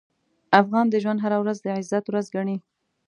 افغان د ژوند هره ورځ د عزت ورځ ګڼي.